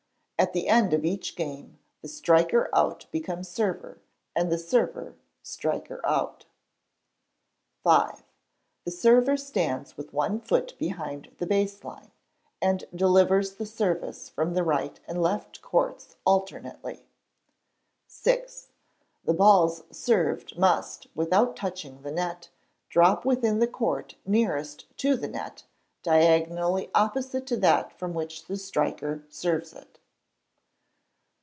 At the end of each game the striker out becomes server, and the server striker out. v. The server stands with one foot beyond the base line, and delivers the service from the right and left courts alternately. vi. The balls served must, without touching the net, drop within the court nearest to the net, diagonally opposite to that from which the striker serves it.